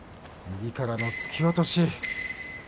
右からの突き落とし。